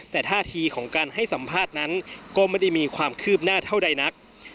แต่ท่าทีของการให้สัมภาษณ์นั้นก็ไม่ได้มีความคืบหน้าเท่าใดนัก